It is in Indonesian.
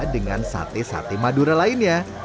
dengan sate sate madura lainnya